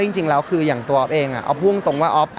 จริงจริงแล้วคืออย่างตัวออฟเองอ่ะเอาพูดงงตรงว่าออฟ